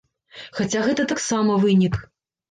Хаця гэта таксама вынік.